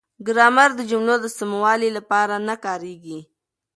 ګرامر د جملو د سموالي لپاره نه کاریږي.